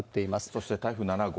そして台風７号。